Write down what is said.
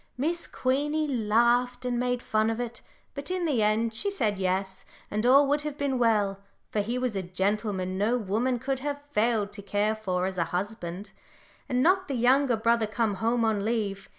Miss Queenie laughed and made fun of it, but in the end she said 'yes,' and all would have been well for he was a gentleman no woman could have failed to care for as a husband had not the younger brother come home on leave.